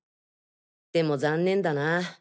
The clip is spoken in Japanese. でも残念だなぁ。